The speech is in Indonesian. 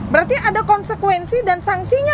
berarti ada konsekuensi dan sanksinya